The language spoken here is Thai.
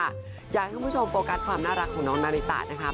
อยากให้คุณผู้ชมโฟกัสความน่ารักของน้องนาริตะนะคะ